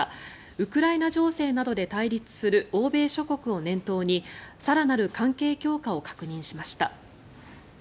ウクライナ情勢などで対立する欧米諸国を念頭に更なる関係強化を確認しました。